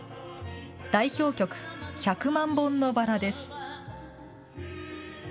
代表曲、百万本のバラです。